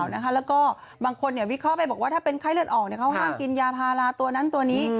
แล้วก็บางคนวิเคราะห์ไปบอกว่าถ้าเป็นไข้เลือดออกเขาห้ามกินยาพาราตัวนั้นตัวนี้